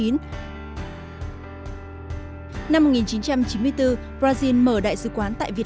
năm một nghìn chín trăm chín mươi bốn brazil mở đại sứ quán tại việt